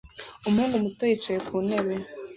Umuhungu muto yicaye ku ntebe